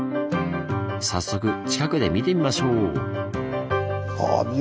早速近くで見てみましょう！